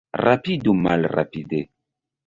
Rapidu malrapide.